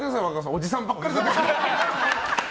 おじさんばっかりだって。